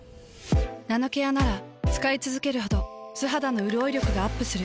ナノケアなら使いつづけるほど素肌のうるおい力がアップする。